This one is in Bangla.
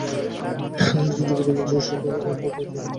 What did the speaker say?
বিবেকানন্দ একজন যোগ্যতম জেসুইট ধর্মযাজকের মতই পণ্ডিত ও সংস্কৃতিমান্।